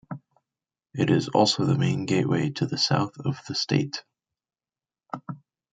It is also the main gateway to the South of the State.